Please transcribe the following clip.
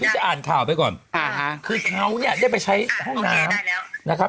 เดี๋ยวขอหาที่ที่มันสว่างโอเคอ่าให้เหลียดพี่จะอ่านข่าวไปก่อน